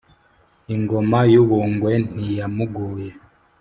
ingoma y’u bungwe ntiyamugoye